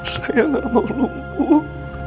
saya gak mau lumpuh